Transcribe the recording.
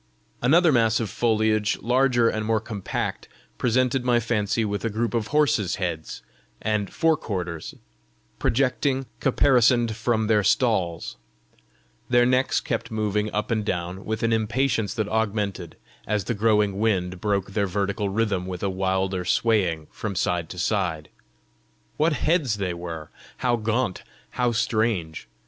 Another mass of foliage, larger and more compact, presented my fancy with a group of horses' heads and forequarters projecting caparisoned from their stalls. Their necks kept moving up and down, with an impatience that augmented as the growing wind broke their vertical rhythm with a wilder swaying from side to side. What heads they were! how gaunt, how strange!